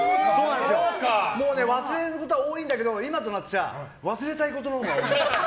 もう忘れることが多いんだけど今となっちゃ忘れたいことのほうが多い。